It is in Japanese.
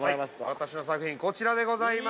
◆私の作品、こちらでございます。